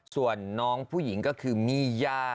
ส่วนน้องผู้หญิงก็คือมี่ย่า